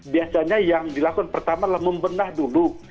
biasanya yang dilakukan pertama adalah membenah dulu